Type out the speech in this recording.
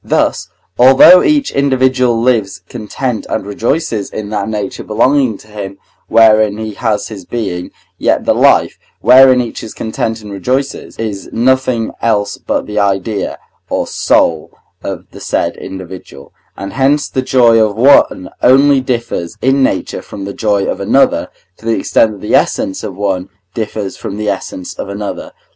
Thus, although each individual lives content and rejoices in that nature belonging to him wherein he has his being, yet the life, wherein each is content and rejoices, is nothing else but the idea, or soul, of the said individual, and hence the joy of one only differs in nature from the joy of another, to the extent that the essence of one differs from the essence of another.